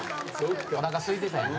おなかすいてたんやな。